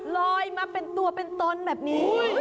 ลอยมาเป็นตัวเป็นตนแบบนี้